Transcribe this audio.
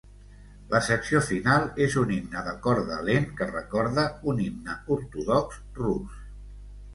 La secció final és un himne de corda lent que recorda un himne ortodox rus.